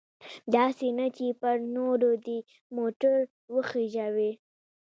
داسې نه چې پر نورو دې موټر وخیژوي.